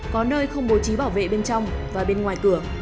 có nơi không bố trí bảo vệ bên trong và bên ngoài cửa